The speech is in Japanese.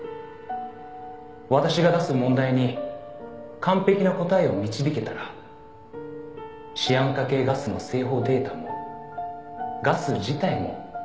「私が出す問題に完璧な答えを導けたらシアン化系ガスの製法データもガス自体も全て破棄しよう」